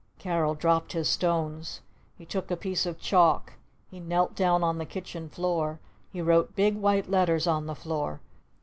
Carol dropped his stones. He took a piece of chalk. He knelt down on the kitchen floor. He wrote big white letters on the floor.